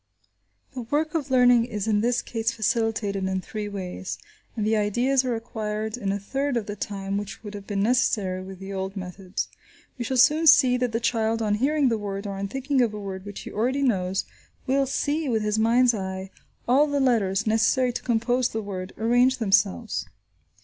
The work of learning is in this case facilitated in three ways, and the ideas are acquired in a third of the time which would have been necessary with the old methods. We shall soon see that the child, on hearing the word, or on thinking of a word which he already knows, will see, with his mind's eye, all the letters, necessary to compose the word, arrange themselves.